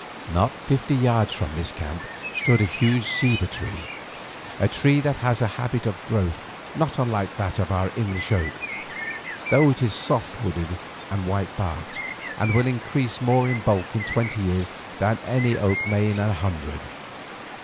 Not fifty yards from this camp stood a huge ceiba, a tree that has a habit of growth not unlike that of our English oak, though it is soft wooded and white barked, and will increase more in bulk in twenty years than any oak may in a hundred.